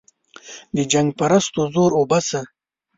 د جنګ پرستو زور اوبه شه.